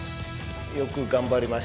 よく頑張りました。